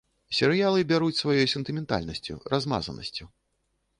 Серыялы бяруць сваёй сентыментальнасцю, размазанасцю.